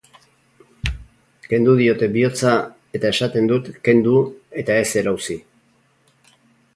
Kendu diote bihotza eta esaten dut kendu eta ez erauzi.